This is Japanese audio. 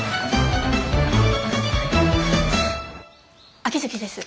秋月です。